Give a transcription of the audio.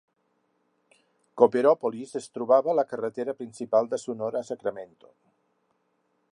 Copperopolis es trobava a la carretera principal de Sonora a Sacramento.